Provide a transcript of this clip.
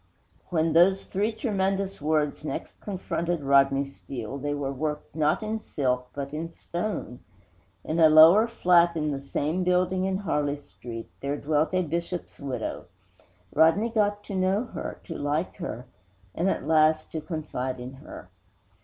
III When those three tremendous words next confronted Rodney Steele, they were worked, not in silk, but in stone! In a lower flat, in the same building in Harley Street, there dwelt a Bishop's widow. Rodney got to know her, to like her, and, at last, to confide in her.